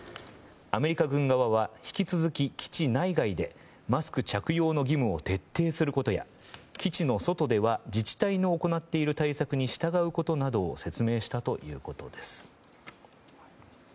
アメリカ軍側は引き続き、基地内外でマスク着用の義務を徹底することや基地の外では自治体の行っている対策に従うことなどを説明したということです。